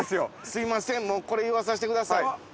◆すいません、これ言わさせてください。